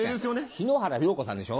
篠原涼子さんでしょ。